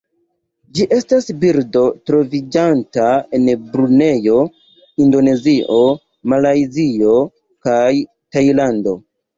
Ĝi estas birdo troviĝanta en Brunejo, Indonezio, Malajzio kaj Tajlando.